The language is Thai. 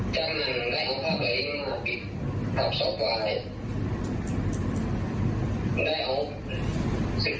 คุณก็ได้หยิบเส้นกระเป๋าของมุม